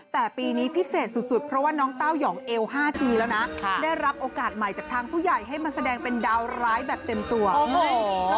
แต่ปีนี้พิเศษสุดสุดเพราะว่าน้องเต้ายองเอว๕จีแล้วนะได้รับโอกาสใหม่จากทางผู้ใหญ่ให้มาแสดงเป็นดาวร้ายแบบเต็มตัวโอ้โห